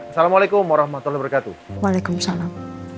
assalamualaikum warahmatullahi wabarakatuh waalaikumsalam